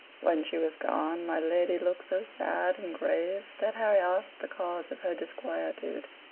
When she was gone, my lady looked so sad and grave, that Harry asked the cause of her disquietude.